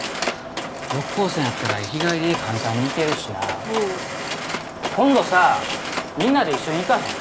六甲山やったら日帰りで簡単に行けるしな今度さみんなで一緒に行かへん？